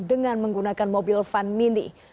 dengan menggunakan mobil van mini